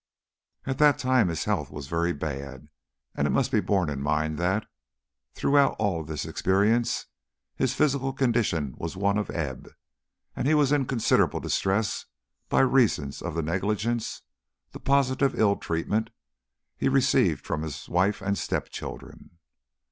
At that time his health was very bad and it must be borne in mind that, throughout all this experience, his physical condition was one of ebb and he was in considerable distress by reason of the negligence, the positive ill treatment even, he received from his wife and step children.